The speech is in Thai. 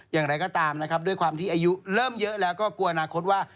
อย่างไรก็ตามนะครับด้วยความที่อายุเริ่มเยอะแล้วก็กลัวอนาคตว่า